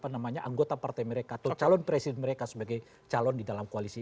apa namanya anggota partai mereka atau calon presiden mereka sebagai calon di dalam koalisi